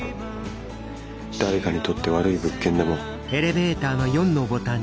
誰かにとって悪い物件でも。